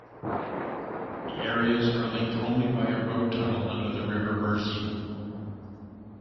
The areas are linked only by a road tunnel under the river Mersey.